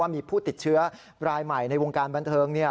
มีผู้ติดเชื้อรายใหม่ในวงการบันเทิง